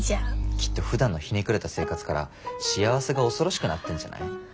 きっとふだんのひねくれた生活から幸せが恐ろしくなってんじゃない？